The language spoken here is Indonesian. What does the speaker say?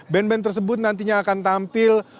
band band tersebut nantinya akan tampil